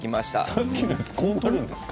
さっきのやつこうなるんですか？